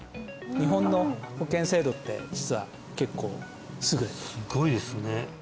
日本の保険制度って実は結構優れてるすごいですね